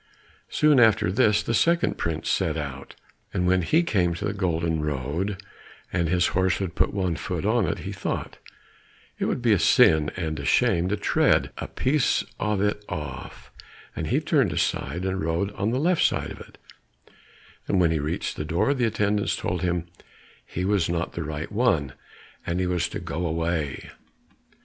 Soon after this the second prince set out, and when he came to the golden road, and his horse had put one foot on it, he thought, it would be a sin and a shame to tread a piece of it off, and he turned aside and rode on the left side of it, and when he reached the door, the attendants told him he was not the right one, and he was to go away again.